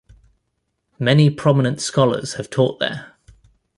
Many prominent scholars have taught there.